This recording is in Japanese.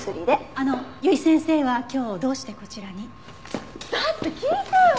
あの由井先生は今日どうしてこちらに？だって聞いてよ！